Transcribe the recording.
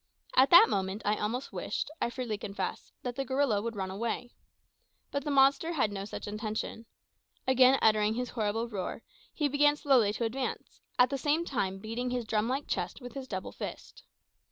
At that moment I almost wished, I freely confess, that the gorilla would run away. But the monster had no such intention. Again uttering his horrible roar, he began slowly to advance, at the same time beating his drum like chest with his doubled fist.